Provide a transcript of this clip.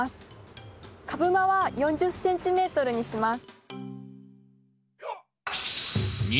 株間は４０ｃｍにします。